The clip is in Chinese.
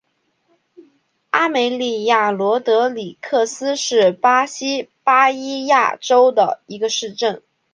阿梅利娅罗德里格斯是巴西巴伊亚州的一个市镇。